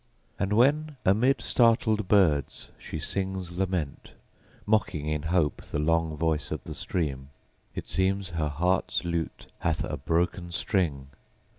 And when amid startled birds she sings lament, Mocking in hope the long voice of the stream, It seems her heart's lute hath a broken string.